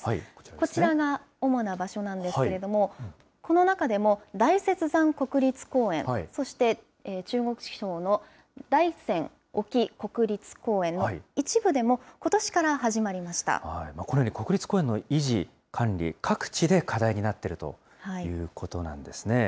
こちらが主な場所なんですけれども、この中でも、大雪山国立公園、そして中国地方の大山隠岐国立公園の一部でもことしから始まりまこれ、国立公園の維持・管理、各地で課題になっているということなんですね。